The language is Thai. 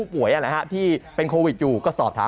ปกติดีหรือเปล่า